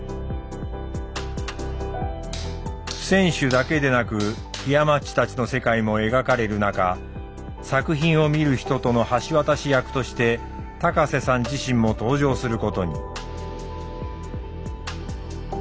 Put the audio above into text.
選手だけでなくひやまっちたちの世界も描かれる中作品を見る人との橋渡し役として高瀬さん自身も登場することに。